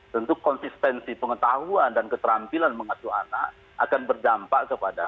tentu konsistensi pengetahuan dan keterampilan mengasuh anak akan berdampak kepada